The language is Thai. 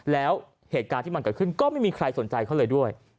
แล้วเหตุการณ์ที่มันเกิดขึ้นก็ไม่มีใครสนใจเขาเลยด้วย